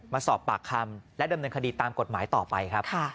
มาสอบปากคำและดำเนินคดีตามกฎหมายต่อไปครับ